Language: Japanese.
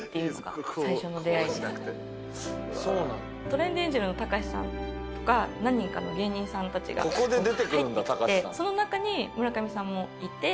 トレンディエンジェルのたかしさんとか何人かの芸人さんたちが入ってきてその中に村上さんもいて。